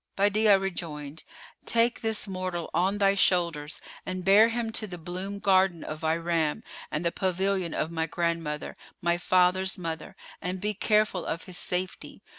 Badi'a rejoined, "Take this mortal on thy shoulders and bear him to the bloom garden of Iram and the pavilion of my grandmother, my father's mother, and be careful of his safety.